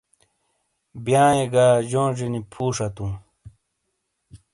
بیانیۓ گہ جونیجۓ نی فُو شاتون۔